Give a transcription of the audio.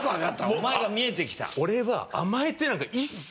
お前が見えてきた。